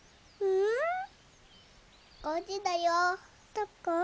どこ？